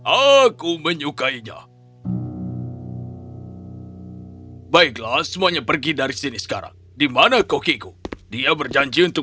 aku menyukainya baiklah semuanya pergi dari sini sekarang dimana kokiku dia berjanji untuk